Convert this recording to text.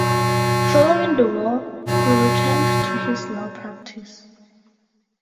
Following the war, he returned to his law practise.